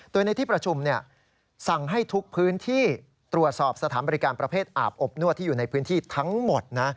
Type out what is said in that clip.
โดยในที่ประชุมสั่งให้ทุกพื้นที่ตรวจสอบสถานบริการประเภทอาบอบนวดที่อยู่ในพื้นที่ทั้งหมดนะ